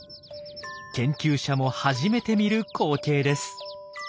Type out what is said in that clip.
研究者も初めて見る光景です。